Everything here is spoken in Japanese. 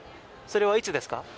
それはいつですか？